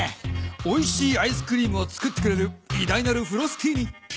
おいしいアイスクリームを作ってくれるいだいなるフロスティーニ。